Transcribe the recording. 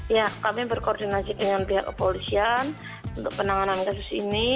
ya kami berkoordinasi dengan pihak kepolisian untuk penanganan kasus ini